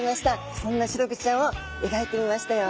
そんなシログチちゃんを描いてみましたよ。